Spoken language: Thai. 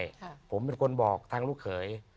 เรื่องมันก็ไม่ได้ผมเป็นคนบอกทางลูกเขย